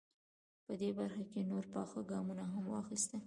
په دې برخه کې نور پاخه ګامونه هم واخیستل.